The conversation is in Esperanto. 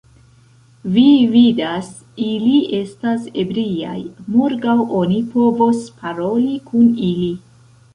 Vi vidas, ili estas ebriaj, morgaŭ oni povos paroli kun ili!